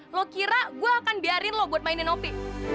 lu kira gue akan biarin lu buat mainin opi